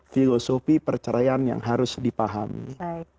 filosofi perceraian yang harus dipahami